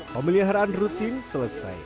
pemeliharaan rutin selesai